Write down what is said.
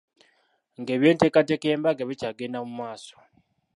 Ng'eby'enteekateeka y'embaga bikyagenda mu maaso.